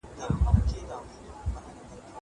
زه اجازه لرم چي بوټونه پاک کړم!